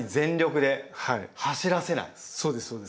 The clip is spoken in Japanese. そうですそうです。